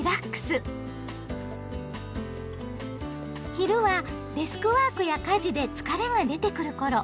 昼はデスクワークや家事で疲れが出てくる頃。